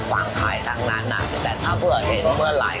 วันนั้นเป็นวันจบของเรา